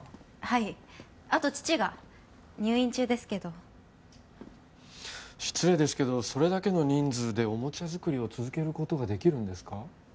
はいあと父が入院中ですけど失礼ですけどそれだけの人数でおもちゃ作りを続けることができるんですか？